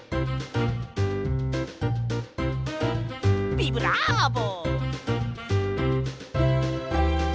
ビブラーボ！